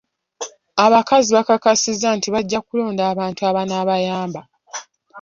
Abakazi baakakasizza nti bajja kulonda abantu abanaabayamba.